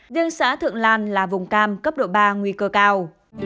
riêng xã thượng lan là vùng cam cấp độ ba nguy cơ cao